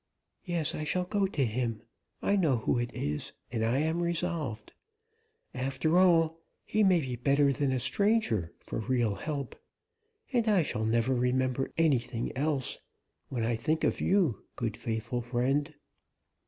"Yes! I shall go to him. I know who it is; and I am resolved. After all, he may be better than a stranger, for real help; and I shall never remember any anything else, when I think of you, good faithful friend."